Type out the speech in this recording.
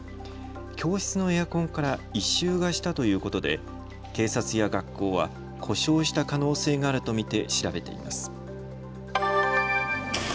教室のエアコンから異臭がしたということで警察や学校は故障した可能性があると見て調べています。